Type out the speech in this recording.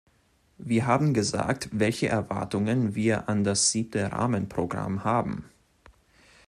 Wir haben gesagt, welche Erwartungen wir an das Siebte Rahmenprogramm haben.